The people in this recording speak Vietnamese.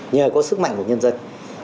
nhờ có sức mạnh của nhân dân